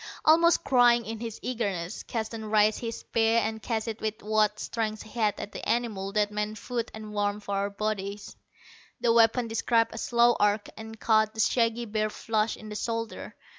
Almost crying in his eagerness, Keston raised his spear and cast it with what strength he had at the animal that meant food and warmth for our bodies. The weapon described a slow arc, and caught the shaggy bear flush in the shoulder.